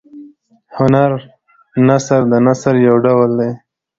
هنر نثر د نثر یو ډول دﺉ.